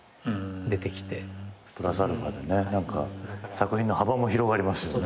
作品の幅も広がりますよね。